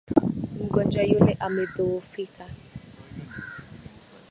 Mgonjwa yule amedhoofika.